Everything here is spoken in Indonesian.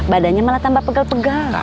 badannya malah tambah pegel pegal